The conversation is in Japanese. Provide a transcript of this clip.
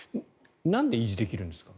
なんで維持できるんですか？